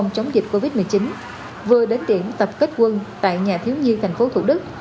covid một mươi chín vừa đến điểm tập kết quân tại nhà thiếu nhiên tp thủ đức